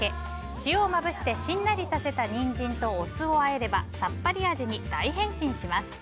塩をまぶしてしんなりさせたニンジンとお酢をあえればさっぱり味に大変身します。